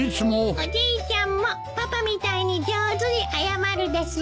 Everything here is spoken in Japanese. おじいちゃんもパパみたいに上手に謝るですよ。